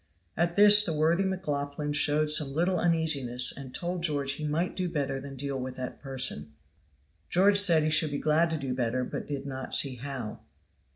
At this the worthy McLaughlan showed some little uneasiness and told George he might do better than deal with that person. George said he should be glad to do better, but did not see how.